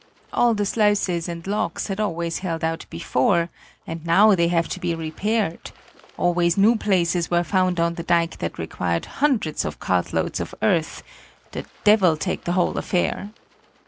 All the sluices and locks had always held out before, and now they have to be repaired; always new places were found on the dike that required hundreds of cartloads of earth the devil take the whole affair!